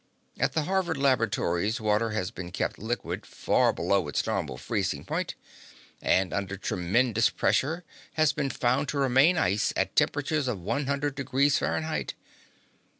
At the Harvard laboratories water has been, kept liquid far below its normal freezing point, and under tremendous pressure has been found to remain ice at a temperature of one hundred degrees Fahrenheit!